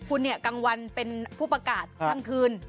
คุณเนี่ยกลางวันเป็นผู้ประกาศทั้งคืน